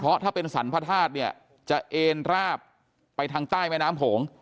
เพราะถ้าเป็นสรรพธาตุเนี่ยจะเอ็นราบไปทางใต้แม่น้ำโขง